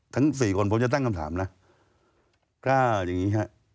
ทั้งสี่คนผมจะตั้งคำถามนะก็จะอย่างนี้นี่ครับ